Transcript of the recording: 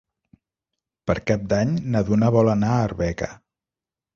Per Cap d'Any na Duna vol anar a Arbeca.